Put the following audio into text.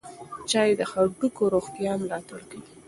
چای د هډوکو روغتیا ملاتړ کوي.